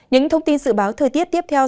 những thông tin dự báo thời tiết tiếp theo